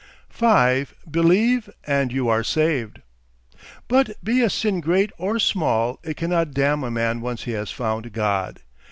5. BELIEVE, AND YOU ARE SAVED But be a sin great or small, it cannot damn a man once he has found God.